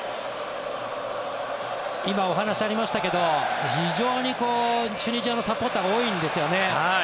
今、お話ありましたけど非常にチュニジアのサポーターが多いんですよね。